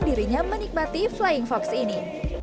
dirinya menikmati flying fox ini